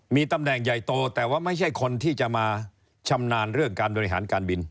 มีตำแหน่งใหญ่โตแต่ว่าไม่ใช่คนที่จะมาชำนาญเรื่องการบริหารการบิน